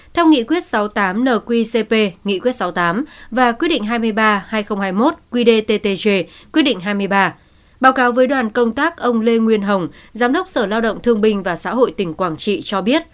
theo nghị quyết sáu mươi tám nqcp nghị quyết sáu mươi tám và quyết định hai mươi ba hai nghìn hai mươi một qdttg quyết định hai mươi ba báo cáo với đoàn công tác ông lê nguyên hồng giám đốc sở lao động thương binh và xã hội tỉnh quảng trị cho biết